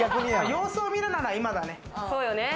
様子を見るなら今だね。